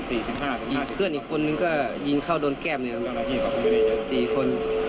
ยิงเพื่อนอีกคนนึงก็ยิงเข้าโดนแก้มเนี่ยสี่คน